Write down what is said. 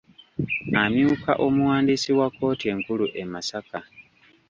Amyuka omuwandiisi wa kooti enkulu e Masaka.